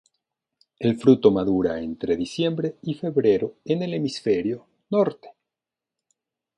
El fruto madura entre diciembre y febrero en el hemisferio norte.